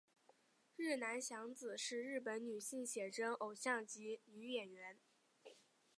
日南响子是日本女性写真偶像及女演员。